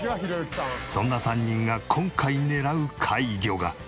そんな３人が今回狙う怪魚が。